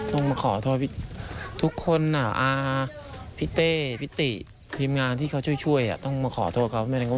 ต้องมาขอโทษพี่ทุกคนพี่เต้พี่ติทีมงานที่เขาช่วยต้องมาขอโทษเขาไม่ได้งบ